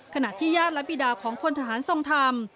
ขณะที่ญาติและบีดาของพลทหารทรงธรรม